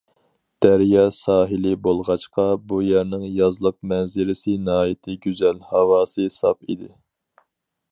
دەريا ساھىلى بولغاچقا، بۇ يەرنىڭ يازلىق مەنزىرىسى ناھايىتى گۈزەل، ھاۋاسى ساپ ئىدى.